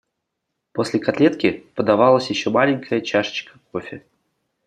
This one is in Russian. После котлетки подавалась еще маленькая чашечка кофе.